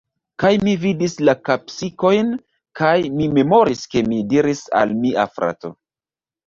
Kaj mi vidis la kapsikojn kaj mi memoris ke mi diris al mia frato: